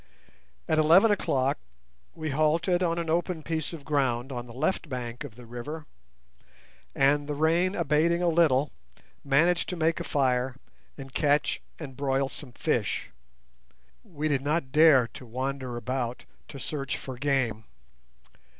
At eleven o'clock we halted on an open piece of ground on the left bank of the river, and, the rain abating a little, managed to make a fire and catch and broil some fish. We did not dare to wander about to search for game.